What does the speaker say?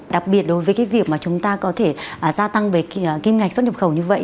đặc biệt đối với cái việc mà chúng ta có thể gia tăng về kim ngạch xuất nhập khẩu như vậy